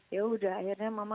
yaudah akhirnya mama